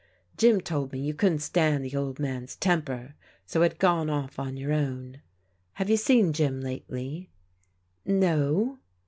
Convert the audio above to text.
Jim told me you couldn't stand the old man's temper, so had gone oflF on your own. Have you seen Jim lately?" " No."